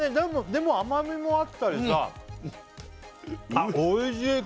でも甘みもあったりさあっおいしい